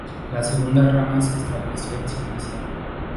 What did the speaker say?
La segunda rama se estableció en Sicilia.